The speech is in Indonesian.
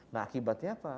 nah akibatnya apa